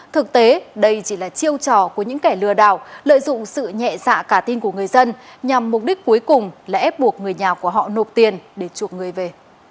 thực tế đây chỉ là chiêu trò của những kẻ lừa đảo lợi dụng sự nhẹ dạ cả tin của người dân nhằm mục đích cuối cùng là ép buộc người nhà của họ nộp tiền để chuộc người về